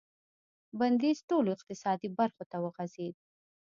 بندیز ټولو اقتصادي برخو ته وغځېد.